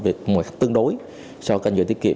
về mọi tương đối so với kênh doanh nghiệp tiết kiệm